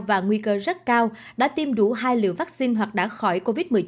và nguy cơ rất cao đã tiêm đủ hai liều vaccine hoặc đã khỏi covid một mươi chín